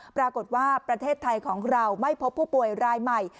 ปรากฏว่าประเทศไทยของเราไม่พบผู้ป่วยรายใหม่